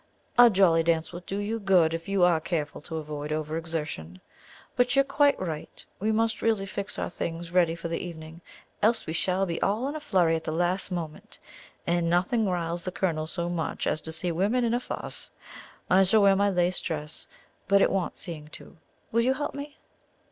"A jolly dance will do you good if you are careful to avoid over exertion. But you are quite right, we must really fix our things ready for the evening, else we shall be all in a flurry at the last moment, and nothing riles the Colonel so much as to see women in a fuss. I shall wear my lace dress; but it wants seeing to. Will you help me?"